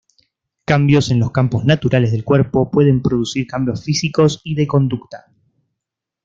Cambios en los campos naturales del cuerpo pueden producir cambios físicos y de conducta".